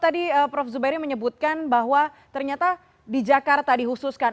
tadi prof zuberi menyebutkan bahwa ternyata di jakarta dikhususkan